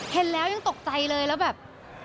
เห็นแล้วยังตกใจเลยแล้วแบบ